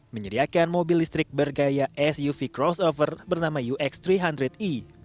menyediakan mobil listrik bergaya suv crossover bernama ux tiga ratus e